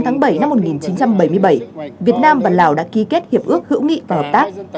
ngày một mươi tám bảy một nghìn chín trăm bảy mươi bảy việt nam và lào đã ký kết hiệp ước hữu nghị và hợp tác